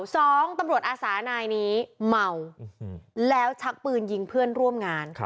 สองตำรวจอาสานายนี้เมาแล้วชักปืนยิงเพื่อนร่วมงาน